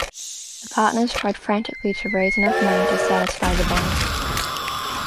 The partners tried frantically to raise enough money to satisfy the bank.